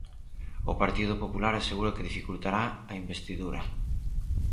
O Partido Popular asegura que dificultará a investidura.